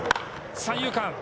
三遊間。